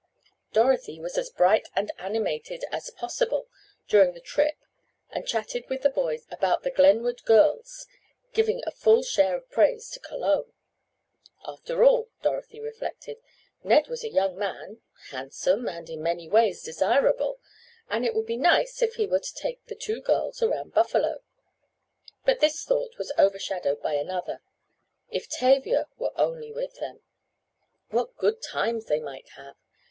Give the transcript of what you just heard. Dorothy was as bright and animated as possible during the trip and chatted with the boys about the Glenwood girls, giving a full share of praise to Cologne. After all, Dorothy reflected, Ned was a young man, handsome, and, in many ways, desirable, and it would be nice if he were to take the two girls around Buffalo. But this thought was overshadowed by another—If Tavia were only with them. What good times they might have!